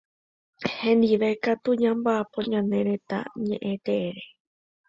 Hendive ikatu ñambaʼapo ñane retã ñeʼẽ teére.